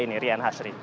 ini rian hashri